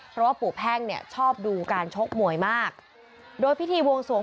เพราะว่าปู่แพ่งเนี่ยชอบดูการชกมวยมากโดยพิธีบวงสวง